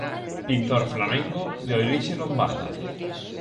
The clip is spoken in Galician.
Pintor flamengo de orixe lombarda.